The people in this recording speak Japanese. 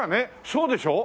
そうでしょう。